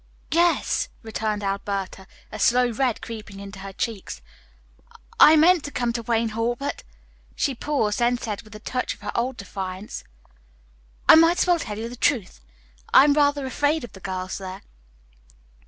"Yes," returned Alberta, a slow red creeping into her cheeks. "I meant to come to Wayne Hall, but " She paused, then said with a touch of her old defiance, "I might as well tell you the truth, I am rather afraid of the girls there."